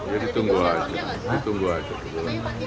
jadi tunggu aja